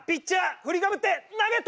振りかぶって投げた！